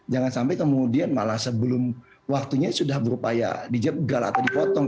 jangan sampai kemudian malah sebelum waktunya sudah berupaya dijegal atau dipotong